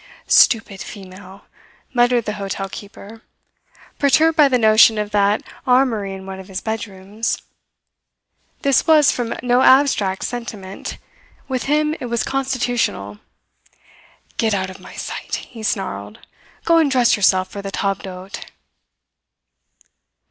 "Stupid female!" muttered the hotel keeper, perturbed by the notion of that armoury in one of his bedrooms. This was from no abstract sentiment, with him it was constitutional. "Get out of my sight," he snarled. "Go and dress yourself for the table d'hote."